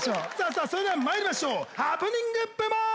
それではまいりましょうハプニング部門！